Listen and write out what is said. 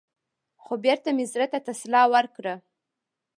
خـو بـېرته مـې زړه تـه تـسلا ورکړه.